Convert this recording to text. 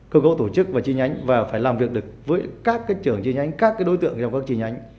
cơ cấu tổ chức và chi nhánh và phải làm việc được với các trưởng chi nhánh các đối tượng trong các chi nhánh